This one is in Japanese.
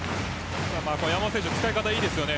山本選手、使い方いいですよね